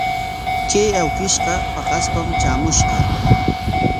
Kay awkishqa paqaspam traamushqa.